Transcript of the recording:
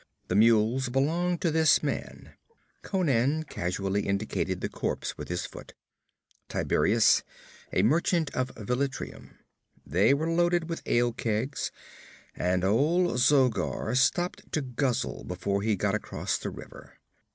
The mules belonged to this man' Conan casually indicated the corpse with his foot 'Tiberias, a merchant of Velitrium. They were loaded with ale kegs, and old Zogar stopped to guzzle before he got across the river.